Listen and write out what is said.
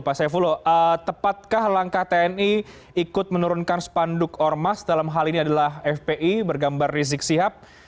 pak saifullah tepatkah langkah tni ikut menurunkan spanduk ormas dalam hal ini adalah fpi bergambar rizik sihab